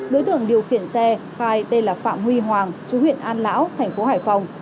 đối tượng điều khiển xe khai tên là phạm huy hoàng chú huyện an lão thành phố hải phòng